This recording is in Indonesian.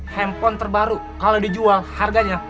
handphone terbaru kalau dijual harganya